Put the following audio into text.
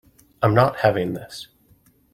I'm not having this.